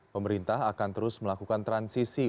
pemerintah akan terus melakukan transisi